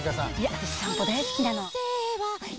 私、散歩大好きなの。